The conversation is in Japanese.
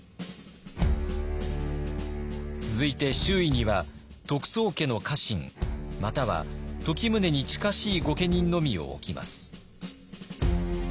続いて周囲には得宗家の家臣または時宗に近しい御家人のみを置きます。